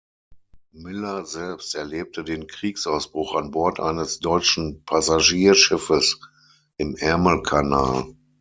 Miller selbst erlebte den Kriegsausbruch an Bord eines deutschen Passagierschiffes im Ärmelkanal.